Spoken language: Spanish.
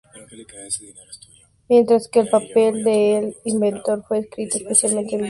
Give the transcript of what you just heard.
Mientras que el papel de "El Inventor" fue escrito específicamente para Vincent Price.